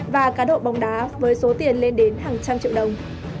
và cá độ bóng đá với số tiền lên đến hàng trăm triệu đồng